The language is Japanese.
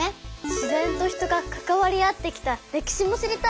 自然と人がかかわり合ってきた歴史も知りたいわ。